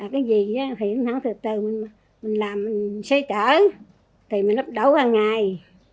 cái gì thì thường thường mình làm mình xây trở thì mình lập đấu hàng ngày